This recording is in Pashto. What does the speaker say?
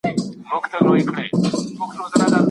باور د ژوند لپاره اړین دی.